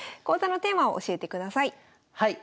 講座のテーマを教えてください。